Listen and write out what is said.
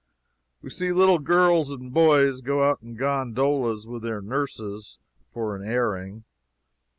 We see little girls and boys go out in gondolas with their nurses, for an airing.